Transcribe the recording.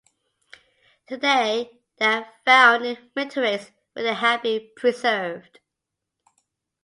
Today they are found in meteorites, where they have been preserved.